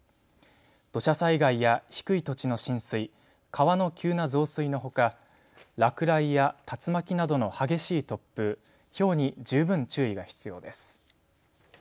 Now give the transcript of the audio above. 土砂災害や低い土地の浸水、川の急な増水のほか落雷や竜巻などの激しい突風、ひょうに十分注意が必要です。